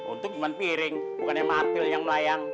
untuk gimana piring bukannya martir yang melayang